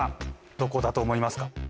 どこだと思いますか？